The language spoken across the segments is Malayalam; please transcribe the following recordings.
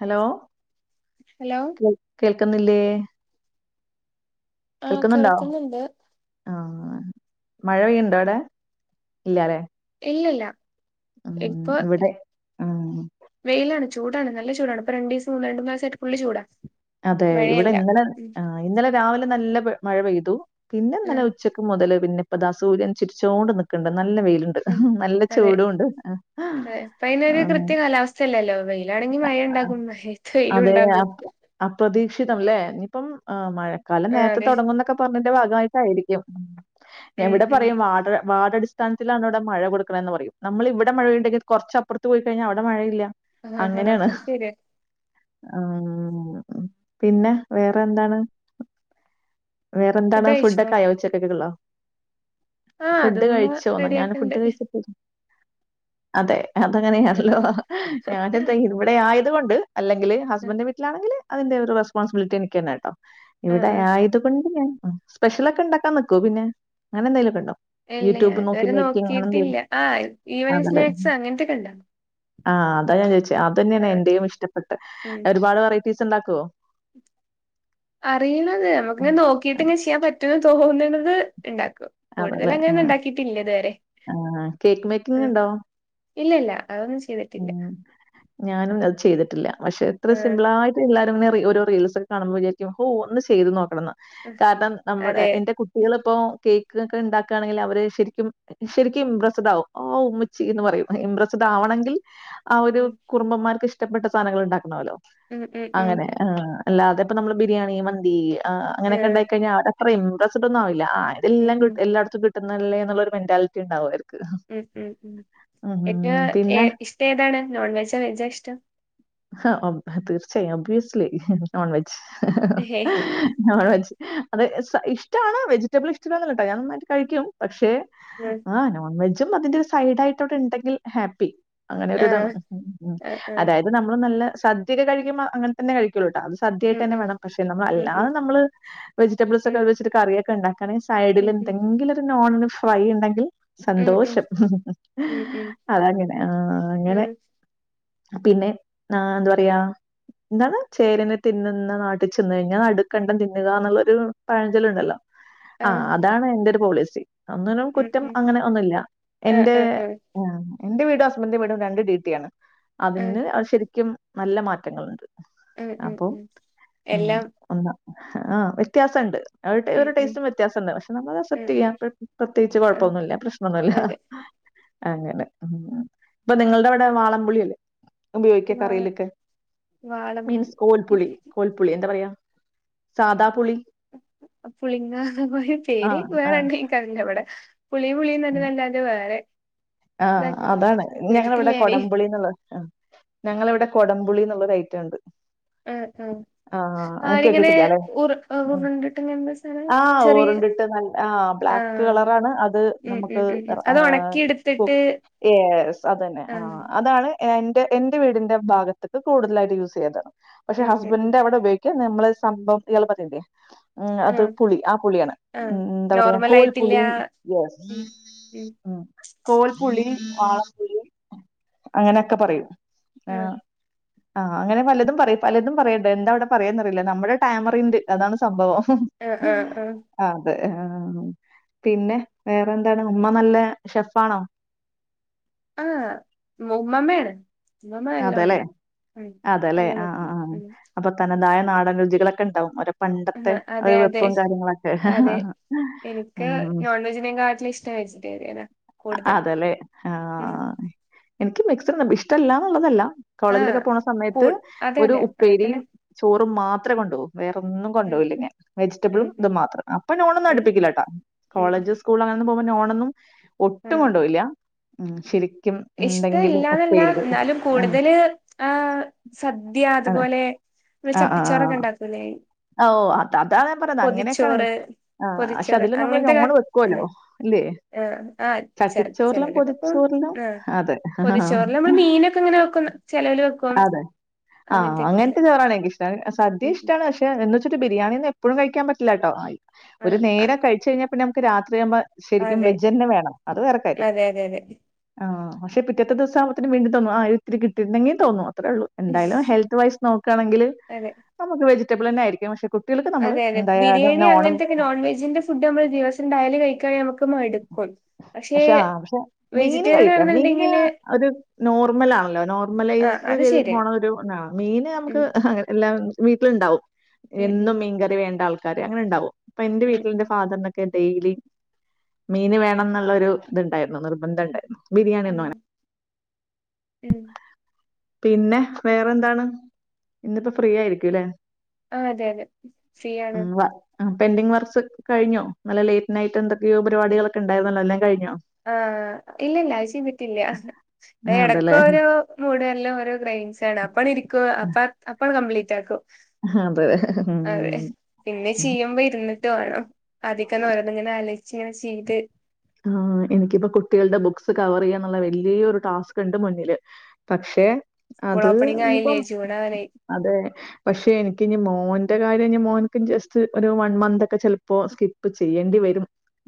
ഹലോ ഹലോ കേ കേൾക്കുന്നില്ലേ ആഹ് കേൾക്ക്ന്ന്ണ്ടോ കേൾക്കുന്നുണ്ട് ആ മഴ പെഴ്ണ്ടടെ ഇല്ലാലേ ഇല്ലല്ല ഇപ്പൊ ഇവിടെ ഉം വെയിലാണ് ചൂടാണ് നല്ല ചൂടാണ് ഇപ്പൊ രണ്ടീസം രണ്ട്മൂന്നാലീസായിട്ട് ഫുള്ള് ചൂടാ അതെ ഇവിടെ മഴയല്ല ഇന്നലെ ഉം ആഹ് ഇന്നലെ രാവിലെ നല്ല മഴ പെയ്തു പിന്നെ ഇന്നലെ ആഹ് ഉച്ചക് മുതല് പിന്നിപ്പൊതാ സൂര്യൻ ചിരിച്ചോണ്ട് നിക്കണ്ട് നല്ല വെയിലുണ്ട് ഉം നല്ല അതെ ചൂടുണ്ട് ആ സല്ലല്ലോ വെയിലാണെങ്കി മഴ ണ്ടാകും മഴയത്ത് വെയിലും ണ്ടാകും അപ്രതീക്ഷിതംല്ലേ ഇന്നിപ്പം ഏഹ് മഴക്കാലം ആഹ് നേരത്തെ അതെ തൊ ടങ്ങൂ ന്നൊക്കെ- ഇപ്പറഞ്ഞതിന്റെ ഭാഗമായിട്ടായിരിക്കും ഉം എവിടെ പറയും വാട് വാട സൻസിലാണോവിടെ മഴ കൊടുക്കണെന്ന് പറയും നമ്മള് ഇവിടെ മഴയുണ്ടെങ്കി കുറച്ചപ്പുറത്ത് പോയി കഴിഞ്ഞാ അവടെ മഴയില്ല ആഹ് ആഹ് അങ്ങനേണ് അത് ശരിയാ ആഹ് അങ്ങനെ പിന്നെ വേറെ എന്താണ് വേറെ എന്താണ് ഫുഡ് ഒക്കെ ആയോ ഉച്ചക്കക്കുള്ള ആഹ് ഫുഡ് അതുമ്മ കഴിച്ചൊന്ന് ഞാൻ റെഡിയാക്ക്ണ്ട് ഫുഡ് കഴിച്ചപ്പഴേക്കും അതെ അതങ്ങനെയാണല്ലോ ഞാനിപ്പൊ ഇവ്ടെ ആയത്കൊണ്ട്- അല്ലെങ്കില് ഹസ്ബന്റ് വീട്ടിലാണെങ്കില് അതിന്റെ ഒരു റെസ്പോൺസിബിലിറ്റി എനിക്ക് തന്നെട്ടോ ആഹ് ഇവിടെ ആഹ് ആ അതുകൊണ്ട് ഞാൻ ആഹ് സ്പെഷ്യലൊക്കെ ഇണ്ടാക്കാൻ നിക്കോ പിന്നെ അങ്ങനെ എന്തെലൊക്കെണ്ടോ ഇല്ലെ ഞാൻത് വരെ നോക്കിയിട്ടില്ല ആഹ് ഈവനിങ് സ്നാക്സ് അങ്ങനത്തൊക്കെ ഇണ്ടാകും ആഹ് അതാ ഞാൻ ചോദിച്ചത് അത് തന്നേണ് ആഹ് എന്റെയും ഇഷ്ടപ്പെട്ട ഉം ഒരുപാട് വെറൈറ്റീസ് ഉണ്ടാക്കോ അറിയിണത് നമുക്കിങ്ങനെ നോക്കിട്ട് ഇങ്ങനെ ചെയ്യാൻ പറ്റും എന്ന് തോന്നുന്നത് ഇണ്ടാക്കും കൂടുതൽ അതല്ലേ. ആ, അങ്ങനൊന്നും ണ്ടാക്കിട്ടില്ലേ ഇതുവരെ ആ. കേക്ക് മേക്കിംഗ് ആഹ് ഉണ്ടോ? ഇല്ലല്ല അതൊന്നും ചെയ്തിട്ടില്ല ഞാനും അത് ചെയ്തിട്ടില്ല പക്ഷെ ഇത്ര ആഹ് സിമ്പപിളാ എല്ലാരും ഇ ഒരു റീൽസ് കാണുമ്പോ വിചാരിക്കും ഓഹ് ഒന്ന് ചെയ്ത് നോക്കണം ആഹ് കാരണം നമ്മുടെ അതെ എന്റെ കുട്ട കുട്ടികള് പ്പോ കേക്ക്ക്കെ ണ്ടാക്കാണെങ്കിൽ അവര് ശരിക്കും ശരിക്കും ഇംപ്രസ്ഡാവും ആഹ് ഇമ്മിച്ചി എന്ന് പറയും ഇംപ്രസ്ഡാവണെങ്കിൽ ആഹ് ഒരു ഉം കുറുംബന്മാർക്ക് ഇഷ്ടപ്പെട്ട സാധനങ്ങൾ ഉണ്ടാക്കണമല്ലോ ഉം ഉം ഉം അങ്ങനെ ആഹ് അല്ലാതെപ്പൊ നമ്മള് ബിരിയാണി മന്തി ആഹ് അങ്ങനൊക്കെ ആഹ് ണ്ടായിക്കഴിഞ്ഞാ ആരാ അത്ര ഇംപ്രസ്ഡ് ഒന്നുംആവില്ല ഉം ആതല്ലാം ക ഉം എല്ലായിടത്തും കിട്ടുന്നില്ലേ എന്നുള്ളരു മെന്റാലിറ്റി ഉണ്ടാവും അവർക് ഉം ഉം ഉം ഏറ്റവും എ പിന്നെ ഇഷ്ടം ഏതാണ് നോൺ വെജോ വെജോ ഇഷ്ടം ആഹ് തീർച്ചയായും അബിയുസ്ലി ലി നോൺ വെജ് ഹേ നോൺ വെജ് അതെ ഇഷ്ടാണ് വെജിറ്റബിൾ ഇഷ്ടല്ലന്നേ ല്ലാ ട്ടാ ഞാൻ നന്നായിട്ട് കഴിക്കും പക്ഷെ ഉം ആഹ് നോൺ വെജും അതിന്റെ ഒരു സൈഡയിട്ടവിടെ ണ്ടെങ്കിൽ ഹാപ്പി അങ്ങനെ ഒരു ഇതാണ് ആഹ് ഉം ആഹ് ആഹ് അതായത് നമ്മള് നല്ല സദ്യക്കെ കഴിക്കുമ്പോ അങ്ങനെ തന്നെ കഴികൊള്ളു ട്ടാ അത് സദ്യയായിട്ട് ഉം തന്നെ ഉം വെണം പഷേ ഉം ഉം അല്ലാതെ നമ്മള് വെജിറ്റബിൾസ് ഉം ഒക്കെ വച്ചിട്ട് കറിയൊക്കെ ഉണ്ടാക്കാണങ്കി സൈഡിൽ ഉം ഉം എന്തെങ്കിലും ഒരു നോണ് വെ വഴി ണ്ടെങ്കിൽ ഉം സന്തോഷം ഉം ഉം ഉം അതങ്ങനെ ആഹ് അങ്ങനെ ഉം പിന്നെ ആഹ് ന്താ പറയാ എന്താണ് ചേരനെ തിന്നുന്ന നാട്ടിൽ ചെന്ന് കഴിഞ്ഞാൽ നടുക്കണ്ടം തിന്നുക എന്നുള്ളൊരു പഴഞ്ചലുണ്ടല്ലോ ആഹ് അതാണ് എന്റെ ഒരു പോളിസി ഒനിനും ഉം കുറ്റം ഉം അങ്ങനെ ഒന്നുല്ല ആഹ് എന്റെ ആഹ് ആഹ് എന്റെ വീടും ഹസ്ബൻഡന്റെ വീടും രണ്ട് ഡി ട്ടിയാണ് ആഹ് അതിന്ന് ശരിക്കും നല്ല മാറ്റങ്ങളുണ്ട് ഉം ഉം അപ്പൊ ഉം ഉം എല്ലാം ഒന്ന് ആഹ് വ്യത്യാസണ്ട് അവ ഉം ഒരു ഉം ടസ്റ്റും വ്യത്യാസംണ്ട് പെശേ നമ്മള് ഉം ഉം അസെ്പ്റ്റ്ചെയ്യാം പ്രത്യേകച്ച് ആഹ് കുഴപ്പൊന്നുല്ല പ്രശ്നൊന്നുല്ല അതെ അങ്ങനെ ഇപ്പൊ നിങ്ങളുടെ ഇവിടെ വാളംപുളി ല്ലേ ഉപയോഗിക്കാ വാ കറിയിലൊക്കെ വാളം മീൻസ് കോൽപുളി കോൽപുളി എന്താ പറയാ സാദാ പുളി അ പുളിങ്ങ പോ ആഹ് പേരെക്ക് ആഹ് വേറെണ്ട ക്കല്ല വിടെ പുളിയും പുളിയും തന്നെ ഉം നല്ലെ വേറെ ആഹ് ഇതാക്കിട്ട് അതാണ് ഞങ്ങള കേട്ടിട്ടില്ല ഇവിടെ ഞാന് കൊടംപുളിന്നുള്ളത് ഞങ്ങളവിടെ കൊടംപുളിന്നുള്ള ഐറ്റുണ്ട് ആഹ് ആഹ് ആഹ് അഹ് ആരിങ്ങനെ കേട്ട്ട്ടില്ല അല്ലേ ഉർ ഉരുണ്ടിട്ട് ഇങ്ങനെ എന്താ സാനം ആഹ് ചെറിയ ഓറണ്ട ഇട്ട് ആഹ് ബ്ലാക്ക് ആഹ് കളറാണ് അത് ഉം ഉം നമുക്ക് ഉം ഉം അത് ഒണക്കി എടുത്തിട്ട് യസ് അതന്നെ ആഹ് അതാണ് എന്റെ എന്റെ വീടിന്റെ ഭാഗത്തക്ക് കൂടുതലായിട്ട് യൂസ് ചെയ്തത് പക്ഷെ ഉം ഉം ഉം ഹസ്ബൻഡന്റെ അവിടെ ഉപയോഗിക്ക [unintelligible] നമ്മള് സംഭവം [unintelligible] ഉം അത് ആഹ് പുളി ആ പുളിയാണ് ഉ ആഹ് ന്താ പറയാ നോർമൽ ആയിട്ടില്ല കോൽപുളി യെസ് ഉം ഉം കോൽപുളി വാളപ്പുളി അങ്ങനെയൊക്കെ പറയും ആഹ് ആഹ് അങ്ങനെ പലതും പറയും പലതും പറയണ്ട് എന്താ അവിടെ പറയായെന്നറിയില്ല നമ്മുടെ ഉം ടാമറിന്റെ അതാണ് സംഭവം ആഹ് ആഹ് ആഹ് അതെ ആ പിന്നെ വേറെന്താണ് ഉമ്മ നല്ല ഷെഫാണോ? ആഹ് ഉമ്മ മ്മെണ് മ്മമ്മ എല്ലാം അതെല്ലേ ഉണ്ടാ ഉം അതെല്ലേ എല്ലാം ആഹ് ആഹ് വെയ്ക്കും ആഹ് ഉ അപ്പൊ തനതായ നാടൻ രുചികളൊക്കെ ണ്ടാവും അവര് പണ്ടത്തെ ആഹ് അതെ ഒരു അതെ വെപ്പും കാര്യങ്ങളൊക്കെ അതെ ഉം വെജിറ്റെറിയനാ അതല്ലേ ആഹ് എനിക്ക് മിക്സിർ ഇഷ്ടല്ലാന്നുള്ളതല്ല ആഹ് കോളേജിലൊക്കെ പോണ കൂ സമയത്ത് അതെ ഒരു അതെ അങ്ങനെ ഉപ്പേരിയും തന്നെ ചോറും മാത്രെ കൊണ്ടുകൂ വേറൊന്നും ഉം കൊണ്ടപോയില്ല ഞാൻ ഉം വെജിറ്റബിളും ഇത് ഉം മാത്രം അപ്പൊ ഞോണന്നും ഉം ഉം അടുപ്പിക്കില്ലേട്ടാ ഉം കോളേജ് സ്കൂള അങ്ങന്നും പോകുമെ ഞോണൊന്നും ഒട്ടും ആഹ് കൊണ്ടുപോയില്ല ഉം ശരി [unintelligible] ഇഷ്ടം എന്തെങ്കിലും ഇല്ലാന്നല്ല ഉപ്പേരികളോ എന്നാലും കൂടുതല് ആഹ് സദ്യ അതെ. അതുപോലെ ആ, ആ, ചട്ടിച്ചോറൊക്കെ ആ. ഉണ്ടാക്കൂലേ ഓ അഹ് അതാ ഞാൻ പറയത് അങ്ങനെയൊക്കെയാണ് പൊതിച്ചോറ് ആഹ് പക്ഷെ പൊതിച്ചോറ് അതില് നമ്മള് അങ്ങനത്തെ കാ ഞോണ് വെക്കുവല്ലോ ആഹ് അല്ലേ ആഹ് ആഹ് ച ചെലല്ല അപ്പ പൊതിച്ചോറിലും ആഹ് അതെ. പൊതിച്ചോറി നമ്മള് മീനൊക്കെ എങ്ങനെ വെക്കും ചെിലവൽ വെക്കും ആ. ആഹ് അങ്ങനത്തെയൊക്കെ ഉണ്ട് അങ്ങനത്തെ ചോറാണേനിക്ക് ഇഷ്ടം സദ്യ ഉം ഇഷ്ട ഉം എന്ന് വെച്ചിട്ട ബിരിയാണിന്നും എഴും കഴിക്കാൻ പറ്റാട്ടോ ഒരു ആഹ് നേരം കഴിച്ചു കഴിഞ്ഞാപ്പന്നെ നമക്ക് രാത്യാവുമ്പ ശരിക്കും അതെ വെജ് തന്നെ വേണം അത് വേറെ കാര്യം അതെ അതെ അതെ ആഹ് പക്ഷെ പിറ്റേ ദിവസുമ്പത്തിന് വേണ്ടി തോന്നു ആഹ് ഒത്തിരിട്ടിട്ടുെങ്കി തോന്നും അത്രേം ഉള്ളൂ എന്തായാലും ഹെൽത്ത് വൈസ് നോക്കുകയാണെങ്കിൽ അതെ നമുക്ക് വെജിറ്റബിൾതെ ആയിരിക്കും പക്ഷെ കുട്ടികൾക്ക് നമ്മള് അതെ അതെ എന്തായാലും ബിരിയാണി നോണും അങ്ങനത്തെൊക്കെ നോൺ വെജിന്റെ ഫുഡ് നമ്മൾ ദിവസംയാലല് കഴിക്കയാണങ്ക നമക്ക് മാടും പക്ഷെ പക്ഷെ മീന് വെജിറ്റേറിയൻ കഴിക്കാം മീന് ആണെന്നുണ്ടെങ്കില് ഒരു നോർമൽ ആണല്ലോ ആ നോർമലൈസ് അത് ചെയ്ത് ശരിയാണ് പോണാണ് മീന് ഉം നമുക്ക് അങ്ങനെ എല്ലാം വീട്ടിലുണ്ടാവും ഉം ഉം എന്നും മീൻകറി വേണ്ട ആൾക്കാര് അങ്ങനെ ഉണ്ടാവും അപ്പൊ എന്റെ ഉം വീട്ടിൽ എന്റെ ഉം ഫാദറിനെ ഡെയിലി മീന് വേണം എന്നുള്ള ഒരു ഇത്ണ്ടായിരുന്നു നിർബന്ധം ഉണ്ടായിരുന്നു ബിരിയാണി ഒന്നും ഉം അങ്ങനെ ഉം പിന്നെ വേറെ എന്താണ് ഇന്നിപ്പോ ഫ്രീ ആയിരിക്കുംല്ലേ ആഹ് അതെ അതെ ഫ്രീ ആണ് ആഹ് പെൻ്റിങ് വർക്സ് കഴിഞ്ഞോ നല്ല ലേറ്റ് നൈറ്റ് എന്തൊക്കെയോ പരിപടികളൊക്കെ ഉണ്ടായിരുന്നല്ല എല്ലാം കഴിഞ്ഞോ ആഹ് ഇല്ല ഇല്ല ചെയീതിറ്റില്ല അതല്ലേ ഇടക്കോരോ [unintelligible] മൂടല്ലാം ഓരോ ഗ്രെയിൻസ് ആണ് അപ്പ ഇരിക്കുവ അപ്പ അപ്പ കംപ്ലീറ്റ് ആക്കും ആഹ് അതെ ഉം അതെ പിന്നെ ചെയ്യുമ്പോ ഇരുന്നിട്ട് വേണം ആധിക്ന്ന ഇങ്ങനെ അലച്ച ഇങ്ങനെ ചെയ്ത് ആഹ് എനിക്കിപ്പോ കുട്ടികളുടെ ബുക്സ് കവർ ചെയ്യാനുള്ള വലിയരു ടാസ്ക് ഉണ്ട് മുന്നില് പക്ഷെ സ്കൂൾ അത് ഓപ്പണിംഗ് ആയില്ലേ ഇപ്പം ജൂൺ ആവാനായി അതെ പക്ഷെ എനിക്ക് ഇനി മോന്റെ കാര്യം ഇ മോന ജസ്റ്റ് ഒരു വൺ മന്ത് ഒക്കെ ചെപ്പോ സ്കിപ്പ ഇപ്പൊ ചെയ്യേണ്ടി വരും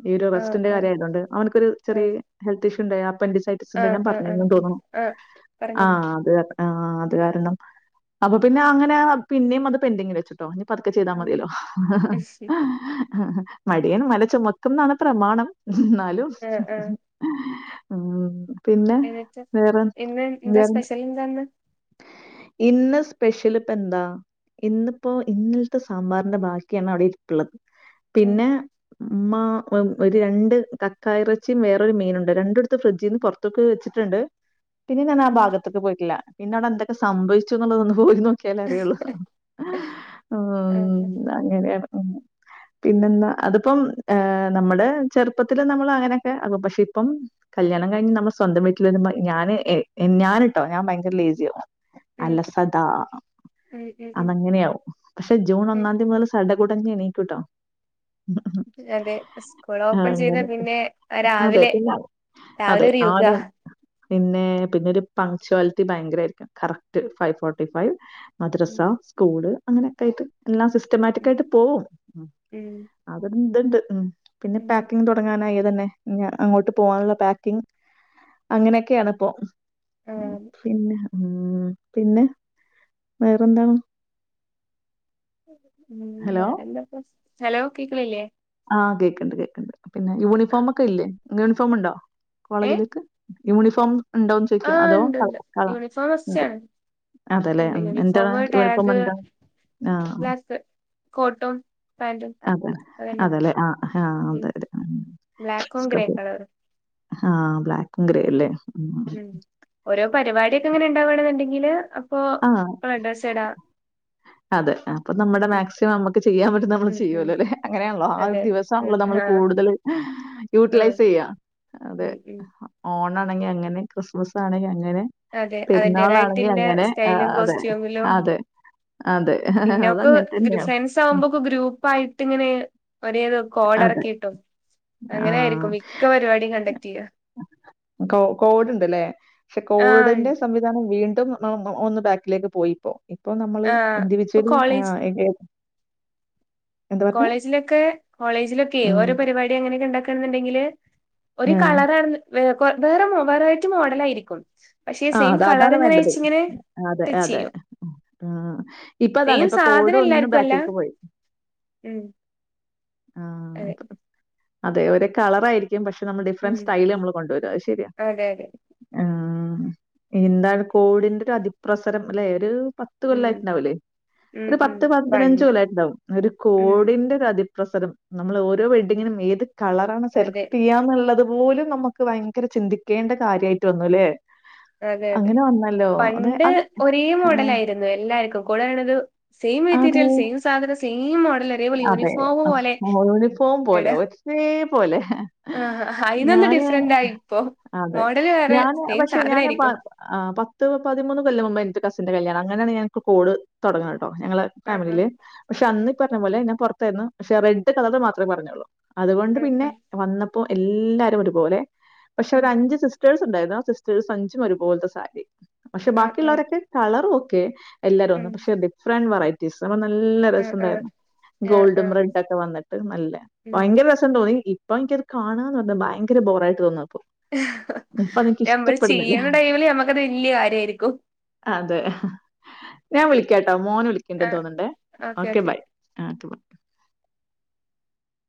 ഈ ഒരു ആഹ് റസ്റ്റിന്റെ ആഹ് കാര്യയതുകൊണ്ട് അവനക്കൊരു ചെറിയ ഹെൽത്ത് ഇഷ്യൂണ്ട അപ്പൻസഡ ആഹ് ഞാൻ ആഹ് ആഹ് ആഹ് പറഞ്ഞന്ന് ആഹ് തോന്നുന്നു ആഹ് പറഞ്ഞിരുന്നു ആഹ് അത് ആഹ് അത് കാരണം അപ്പൊ പിന്നെ അങ്ങനെ പിന്നെയും അത് പെൻഡിങ് വെച്ചിണ്ട് കേട്ടോ ഇനിപ്പതൊക്കെ ചെയ്താ ഉം മതിയല്ലോ [unintelligible] ആഹ് മടിയൻ മല ചുമക്കും എന്നാണ് പ്രമാണം എന്നാലും ആഹ് ആഹ് ഉം പിന്നെ വേറെ വേറെ സ്പെശ്യലന്തന്ന് ഇന്ന് സ്പെഷൽ പെന്താ ഇന്നിപ്പോ ഇന്നലത്തെ സാമ്പാറിന്റെ ബാക്കിയാണ് അവിടെ ഇരിപ്പുള്ളത് ഉം പിന്നെ ഉമ്മ ഒരു രണ്ട് കക്കായ ഇറച്ചിയും വേറൊരു മീനുണ്ട് രണ്ടിടുത്ത് ഫ്രിഡ്ജിൽ നിന്ന് പുറ ത്തൊക്കെ വെച്ചിട്ടുണ്ട് പിന്നെ ഞാൻ ആഹ് ഉം ഭാഗത്തൊക്കെ പോയിട്ടില്ല പിന്നെ അവിടെ എന്തൊക്കെ സംഭവിച്ചു എന്നുള്ളതന്ന് പോയിരുന്നു നോക്കിയിലെ അറിയുള്ളൂ ഉം ആഹ് അങ്ങനെയാണ് ഉം പിന്നെന്താ അതിപ്പം നമ്മുടെ ചെറുപ്പത്തില നമ്മൾ അങ്ങനെയൊക്കെ ആപ്പൊ പക്ഷെ ഇപ്പം കല്യാണം കഴിഞ്ഞ് നമ്മൾ സ്വന്തം വട്ടിൽ ഞാൻ ഞാനിട്ടോ ഞാൻ ഭയ ങ്കര ലേസിയ ആവും ഉം അല്ലസദാ ഉം ഉം അന്നങ്ങനെയാകും പക്ഷെ ജൂൺ ഉം ഒന്നാം തീയതി മുതൽ സഡകുടഞ്ഞ എണീക്കക്ക് കേട്ടോ അതെ സ്കൂൾ ഓപ്പൺ ചെയ്ത അങ്ങനെ. പിന്നെ അതെ. രാവിലെ പിന്നെ രാവിലെ അതെ. ഒരു യുഗ ആരും പിന്നെ പിന്നെ ഒരു പങ്ക്ച്വാലിറ്റി ഭയങ്കര ആയിരിക്കും കറക്റ്റ് ഫൈവ് ഫോർട്ടി ഫൈവ് മദ്രസ ഉം സ്കൂള് അങ്ങനെയൊക്കൊയിയിട്ട് എല്ലാം ഉം സിസ്റ്റമാറ്റിക്ക് ഉം ആയിട്ട് പോവും ഉം അതുണ്ടുണ്ട് ഉം പിന്നെ ഉം പാക്കിങ് പോ അങ്ങനായി തന്നെ അങ്ങോട്ട് പോകാനുള്ള പാക്കിങ് അങ്ങനെയൊക്കെയാണിപ്പോ ഉം. ആഹ് പിന്നെ ഉം പിന്നെ വേറെന്താണ് ഉം ഹലോ? വറെന്താപ്പോ ഹലോ കേൾക്കണില്ലേ ആഹ് കേക്കണ്ട് കേക്കണ്ട് പിന്നെ യൂണിഫോമൊക്കെ ഇല്ലേ യൂണിഫോം ഉണ്ടോ ഏഹ് കോളേജിലേക്ക് യൂണിഫോം ഉണ്ടോന്ന് ചോദിക്കാ ആഹ് അതോ ഇണ്ട് കള ഇണ്ട് കള യൂണിഫോം ണ്ട് ഫസ്റ്റാണ് അതേലെ ഇണ്ട് ഉം എന്താണ് യൂണിഫോമ് യൂണിഫോം ടാഗ് എന്താ ആഹ് ബ്ലാക്ക് കോട്ടും പാന്റും അതെ അതന്നെ അതേല്ലേ ആഹ് ആഹ് ഉം ബ്ലാക്കും ഗ്രേ അതെ കളറും ആഹ് ബ്ലാക്ക് ഉം ഓരോ പരിപാടിയൊക്കെ അങ്ങനെ ഉണ്ടാവണെന്നുണ്ടെങ്കില് അ അപ്പൊ ആഹ് ഒരു ഡ്രസ്സ് ഇടാ അതെ അപ്പൊ നമ്മുടെ മാക്സിമം നമുക്ക് ചെയ്യാൻ പറ്റും നമ്മള് ഉം ഉം ചെയ്യുമല്ലോ അല്ലെ അങ്ങനെയാണല്ലോ ആഹ് അതെ ഒരു അതെ ഉം ദിവസാണല്ലോ നമ്മള് ആഹ് കൂടുതല് ആഹ് യൂട്ടിലൈസ് ചെയ്യാ ഉം ഉം ഓണാണെങ്കിൽ അങ്ങനെ ക്രിസ്മസ് ആണെങ്കിൽ അങ്ങനെ അതെ പെരുന്നാളാണെങ്കിൽ അതിന്റേതായിട്ടില്ല അങ്ങനെ സ്റ്റൈലും അതെ കോസ്റ്റ്യൂമിലും അതെ അതെ പിന്നോക്ക് അതങ്ങനെ ഗ്രൂ തന്നെയാണ് സയൻസാവുമ്പോൾ ഗ്രൂപ്പ് ആയിട്ടിങ്ങനെ ഒരേത് അതെ കോഡെറക്കിട്ടു ആഹ് അങ്ങനെയായിരിക്കും മിക്ക പരിപാടിം കണ്ടക്ട് ചെയ്യാ കോ കോഡ് ഉണ്ടല്ലേ പക്ഷെ ആഹ് കോഡിന്റെ ഉണ്ട്. സംബ വീണ്ടും ഒ ഒന്ന് ബാക്കിലേക്ക് പോയിപ്പോ ഇപ്പോ നമ്മ ആഹ് ഇപ്പൊ ഇൻഡിവിജ്വലി കോളേജ് ആഹ് എഗൈൻ കോളേജിലൊക്കെ കോളേജിലൊക്കെ ഉം ഓരോ പരിപാടി അങ്ങനെയൊക്കെ ഉണ്ടാക്ക എന്നുണ്ടെങ്കില് ഒരു ആഹ്. കളർ വ വേറെ വെറൈറ്റി മോഡലായിരിക്കും പക്ഷെ ആഹ് സെയിം അത അതാണ് കളറിങ്ങനെ വേണ്ടത്. വെച്ച് ഇങ്ങനെ ടച്ച് ചെയ്യും ഉം ഇപ്പൊ അതാണ് സെയിം ഇപ്പൊ കോഡ് സാധനം ഒന്ന് എല്ലാർക്കും അല്ല ബാക്കിൽക്ക് പോയി ഉം ആഹ് അതെ അതെ ഒരു കളറായിരിക്കും പക്ഷെ നമ്മൾ ഉം ഡിഫറന്റ് സ്റ്റൈല് നമ്മൾ കൊണ്ടുവരും അത് ശെരിയാ അതെ അതെ ആഹ് എന്താണ് കോഡിന്റെ ഒരു അതിപ്രസരം അല്ലെ ഒരു പത്ത് ഉം കൊല്ലായിട്ടുണ്ടാവുല്ലേ ഉം ഒരു ഉം പത്ത് പതിനഞ്ച് പണ്ട് കൊല്ലായിട്ടുണ്ടാവും ഒരു ഉം കോഡിന്റെ അതി പ്രസരം നമ്മള് ഓരോ വെഡ്ഡിങ്ങിനും ഏത് കളറാണ് അതെ സെലക്ട് ചെയ്യാന്നുള്ളതും പോലും നമുക്ക് ഭയങ്കര ചിന്തിക്കേണ്ട കാര്യമായിട്ട് വന്നുല്ലേ അതെ അതെ അങ്ങനെ വന്നല്ലോ. അതെ പണ്ട് അതെ ഒരേ മോഡലായിരുന്നു എല്ലാർക്കും കൂടെയുള്ളത് സെയിം അതെ മെറ്റീരിയൽ സെയിം സാ സാധനം സെയിം മോഡല് അതെ അഹ് യൂണിഫോം എട പോലെ ഒരേ പോലെ ആഹ് അയിനൊന്ന് ഞാന് ഡിഫറന്റ് ആയിപ്പോ അതെ ഞാന് പക്ഷെ ഞാന് പ ആഹ് പത്ത് പതിമൂന്ന് കൊല്ലം മുമ്പ് എന്റെ കസിന്റെ കല്യാണം അങ്ങനെയാണ് ഞങ്ങക്ക് കോഡ് തുടങ്ങണെ കേട്ടോ ഞങ്ങള് ഉം ഫാമിലിയില് പക്ഷെ അന്ന് ഉം പറഞ്ഞ പോലെ ഞാൻ പുറത്തായിരുന്നു പക്ഷേ റെഡ് കളർ മാത്രമേ പറഞ്ഞൊള്ളൂ അതുകൊണ്ട് ഉം പിന്നെ ഉം വന്നപ്പോ എല്ലാരും ഒരുപോലെ പക്ഷെ ഉം ഒരു അഞ്ച് സിസ് സിസ്റ്റേഴ്സ് ഉണ്ടായിരുന്നു സിസ്റ്റേഴ്സ് അഞ്ചും ഒരുപോലത്തെ സാരി പക്ഷെ ഉം ഉം ഉം ബാക്കിയുള്ളവരൊക്കെ കളർ ഓക്കെ എല്ലാരും ഒന്ന് ഉം പക്ഷേ ഡിഫറന്റ് വെറൈറ്റീസ് അപ്പൊ നല്ല രസം ആഹ് ആഹ് ഉണ്ടായിരുന്നു ആഹ് ഗോൾഡും ആഹ് റെഡൊക്കെ വന്നിട്ട് നല്ല ഉം ഭയങ്കര രസ തോന്നി ഇപ്പൊ എനിക്കത് കാണാ എന്ന് പറഞ്ഞ ഭയങ്കര ബോറായി തോന്നുവാ ഇപ്പൊ നമ്മള് ചെയ്യണ ടൈമില് ഞമ്മക്കത് വല്യ കാര്യമായിരിക്കും അതെ ഞാൻ വിളിക്കാട്ടോ മോന് വിളിക്കണ്ട് ആഹ് തോന്നുണ്ടേ ഓക്കെ ബൈ ആഹ് [unintelligible]